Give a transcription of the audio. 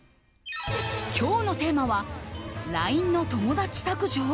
今日のテーマはＬＩＮＥの友達削除？